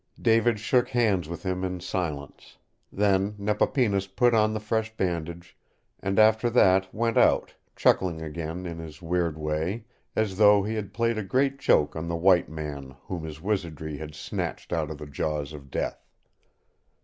David shook hands with him in silence; then Nepapinas put on the fresh bandage, and after that went out, chuckling again in his weird way, as though he had played a great joke on the white man whom his wizardry had snatched out of the jaws of death.